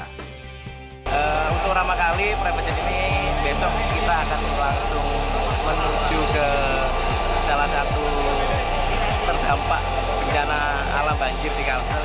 untuk pertama kali premier ini besok kita akan langsung menuju ke salah satu terdampak bencana alam banjir di kawasan